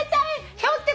ひょうって。